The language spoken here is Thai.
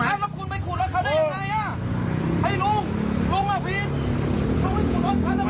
เขาไม่ขุนรถเขาแล้วไม่